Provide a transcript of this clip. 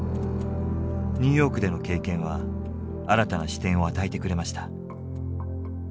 ニューヨークでの経験は新たな視点を与えてくれました。